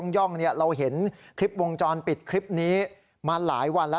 เราเห็นคลิปวงจรปิดคลิปนี้มาหลายวันแล้ว